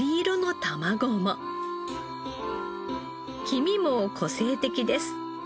黄身も個性的です。